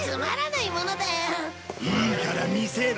いいから見せろ。